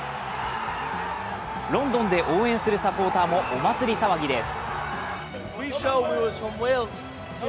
ロンドンで応援するサポーターもお祭り騒ぎです。